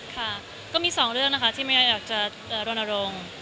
ค่ะก็มีสองเรื่องนะคะที่ไม่ได้อยากจะรณรงค์